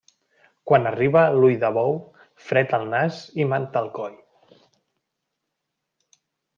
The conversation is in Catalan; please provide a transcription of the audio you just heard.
Quan arriba l'ull de bou, fred al nas i manta al coll.